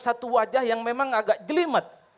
satu wajah yang memang agak jelimet